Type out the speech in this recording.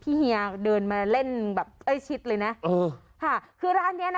เฮียเดินมาเล่นแบบใกล้ชิดเลยนะเออค่ะคือร้านเนี้ยนะ